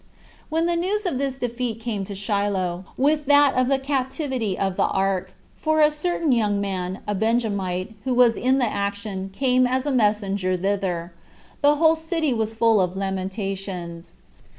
3. When the news of this defeat came to Shiloh, with that of the captivity of the ark, [for a certain young man, a Benjamite, who was in the action, came as a messenger thither,] the whole city was full of lamentations.